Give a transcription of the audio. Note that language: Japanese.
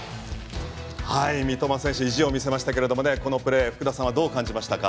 三笘選手意地を見せましたけれどもこのプレー福田さんはどう感じました。